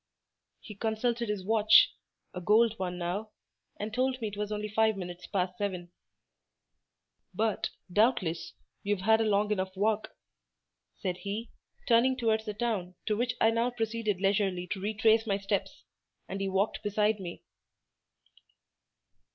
He consulted his watch—a gold one now—and told me it was only five minutes past seven. "But, doubtless, you have had a long enough walk," said he, turning towards the town, to which I now proceeded leisurely to retrace my steps; and he walked beside me.